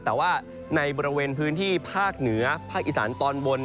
แต่ว่าในบริเวณพื้นที่ภาคเหนือภาคอีสานตอนบน